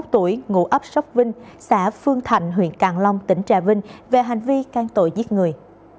ba mươi tuổi ngụ ấp sóc vinh xã phương thạnh huyện càng long tỉnh trà vinh về hành vi can tội giết người